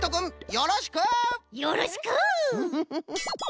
よろしく！